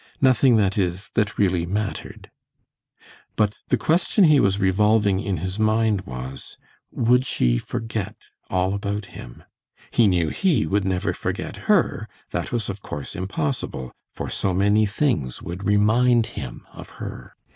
Nothing, that is, that really mattered. But the question he was revolving in his mind was, would she forget all about him. He knew he would never forget her, that was, of course, impossible, for so many things would remind him of her.